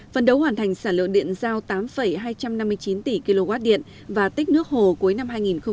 phần đấu hoàn thành sản lượng điện giao tám hai trăm năm mươi chín tỷ kwh và tích nước hồ cuối năm hai nghìn hai mươi